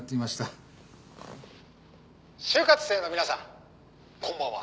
「就活生の皆さんこんばんは」